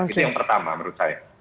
itu yang pertama menurut saya